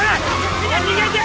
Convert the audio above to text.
みんな逃げて！